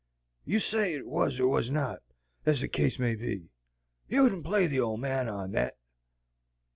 you'd say it was or was not, ez the case may be. You wouldn't play the ole man on thet?"